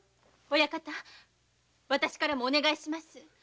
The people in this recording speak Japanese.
親方わたしからもお願いします。